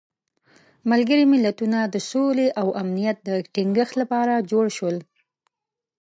ملګري ملتونه د سولې او امنیت د تینګښت لپاره جوړ شول.